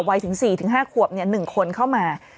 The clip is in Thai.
วัยถึง๔๕ขวบ๑คนเข้ามา